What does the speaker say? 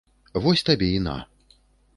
Вось табе і на.